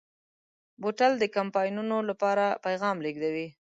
بوتل د کمپاینونو لپاره پیغام لېږدوي.